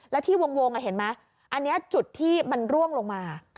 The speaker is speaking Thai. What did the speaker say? แล้วที่วงเห็นไหมอันนี้จุดที่มันร่วงลงมา